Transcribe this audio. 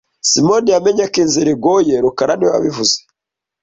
Simoni yamenye ko inzira igoye rukara niwe wabivuze